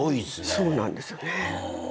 そうなんですよね。